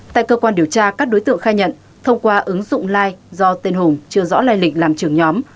tại cơ quan điều tra các đối tượng khai nhận thông qua ứng dụng lai do tên hùng chưa rõ lai lịch làm trưởng nhóm